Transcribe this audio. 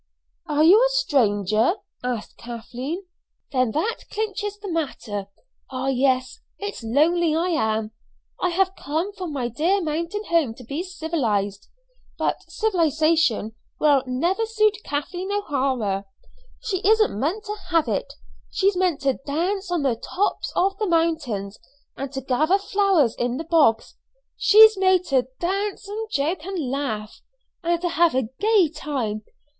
"Are you a stranger?" asked Kathleen. "Then that clinches the matter. Ah, yes; it's lonely I am. I have come from my dear mountain home to be civilised; but civilisation will never suit Kathleen O'Hara. She isn't meant to have it. She's meant to dance on the tops of the mountains, and to gather flowers in the bogs. She's made to dance and joke and laugh, and to have a gay time.